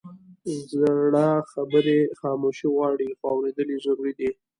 زړه خبرې خاموشي غواړي، خو اورېدل یې ضروري دي.